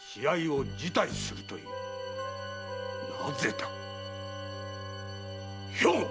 なぜだ兵庫⁉